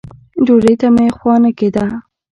ډوډۍ ته مې خوا نه کېده.